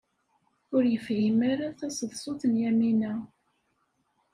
Ur yefhim ara taseḍsut n Yamina.